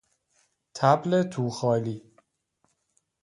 طبل توخالی